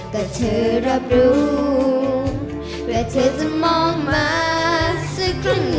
ก็เธอรับรู้และเธอจะมองมาสักครั้งหนึ่ง